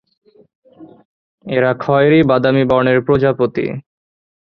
এরা খয়েরী বাদামি বর্ণের প্রজাপতি।